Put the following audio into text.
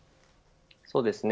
そうですね。